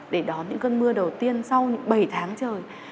để đón những cơn mưa đầu tiên sau những bảy tháng trời